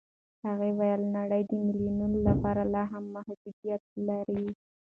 هغې وویل نړۍ د معلولینو لپاره لاهم محدودیتونه لري.